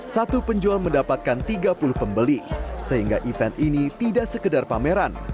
satu penjual mendapatkan tiga puluh pembeli sehingga event ini tidak sekedar pameran